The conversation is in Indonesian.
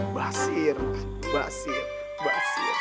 basir basir basir